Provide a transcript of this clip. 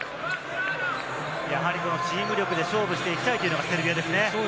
やはりチーム力で勝負していきたいというのがセルビアですね。